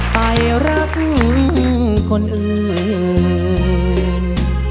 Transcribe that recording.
ไปรักคนอื่น